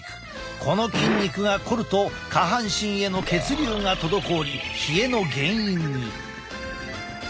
この筋肉が凝ると下半身への血流が滞り冷えの原因に。